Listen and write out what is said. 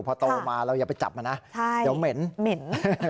พอโตมาเราอย่าไปจับมันนะเดี๋ยวเหม็นเหม็น